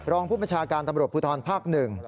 รองผู้บัญชาการตำรวจภูทรภาค๑